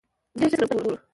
ډېر ژر به سره ګورو!